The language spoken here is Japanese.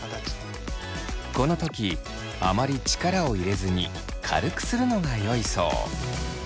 この時あまり力を入れずに軽くするのがよいそう。